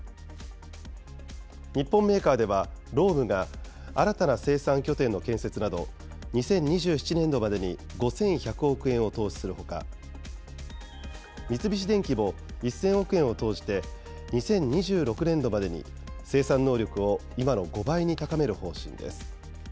日本メーカーでは、ロームが新たな生産拠点の建設など、２０２７年度までに５１００億円を投資するほか、三菱電機も１０００億円を投じて、２０２６年度までに生産能力を今の５倍に高める方針です。